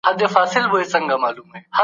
ګاونډی هیواد د سولي پروسه نه خرابوي.